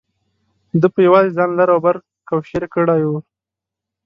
ده په یوازې ځان لر او بر کوشیر کړی و.